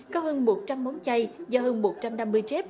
có hơn một trăm linh món chay do hơn một trăm năm mươi trép